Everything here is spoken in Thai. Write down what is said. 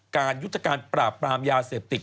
การยุติการปราบปรามยาเสพติก